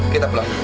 kita pelan pelan ya